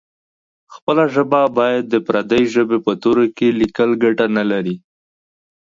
خپله ژبه باید د پردۍ ژبې په تورو کې لیکل ګټه نه لري.